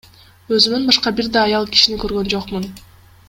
Өзүмөн башка бир да аял кишини көргөн жокмун.